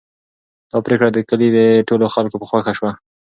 دا پرېکړه د کلي د ټولو خلکو په خوښه شوه.